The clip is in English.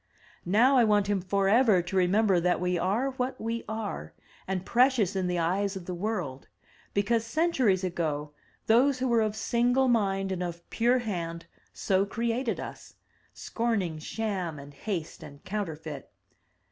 Now I want him forever to remember that we are what we are, and precious in the eyes of 304 THE TREASURE CHEST the world, because centuries ago those who were of single mind and of pure hand so created us, scorning sham and haste and counterfeit.